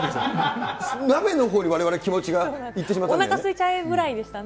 鍋のほうにわれわれ気持ちがいってしまったんですよね。